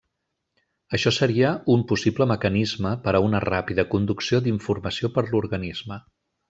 Això seria un possible mecanisme per a una ràpida conducció d'informació per l'organisme.